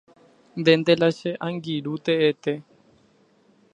Ndénte la che angirũ teete.